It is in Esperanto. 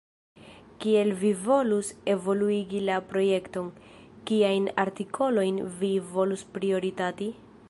Kiel vi volus evoluigi la projekton, kiajn artikolojn vi volus prioritati?